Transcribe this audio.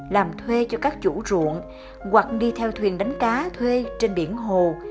làm thuê cho các chủ ruộng hoặc đi theo thuyền đánh cá thuê trên biển hồ